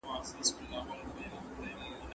تر ازموینې وړاندې مي ټول درسونه لوستي وو.